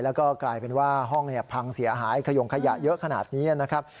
แล้วก็กลายเป็นว่าห้องพังเสียหายขยงขยะเยอะขนาดนี้นะครับ